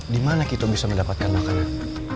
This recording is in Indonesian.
di mana kita bisa mendapatkan makanan